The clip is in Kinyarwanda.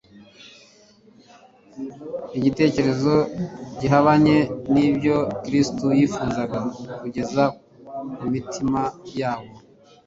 igitekerezo gihabanye n'ibyo Kristo yifuzaga kugeza ku mitima yabo